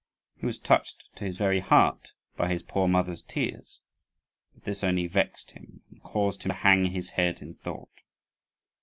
He was touched to his very heart by his poor mother's tears; but this only vexed him, and caused him to hang his head in thought.